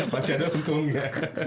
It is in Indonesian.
masih ada untung ya